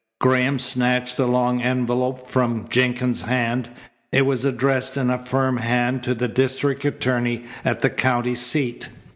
Graham snatched the long envelope from Jenkins' hand. It was addressed in a firm hand to the district attorney at the county seat.